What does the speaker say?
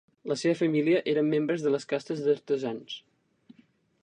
La seva família eren membres de les castes d'artesans.